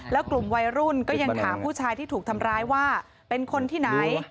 แล้วกลุ่มวัยรุ่นก็ยังถามผู้ชายที่ถูกทำร้ายว่าเป็นคนที่ไหน